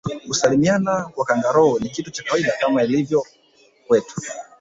kusalimiana kwa kangaroo ni kitu cha kawaida kama ilivyo kwetu